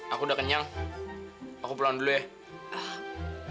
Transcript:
aku udah kenyang aku pulang dulu ya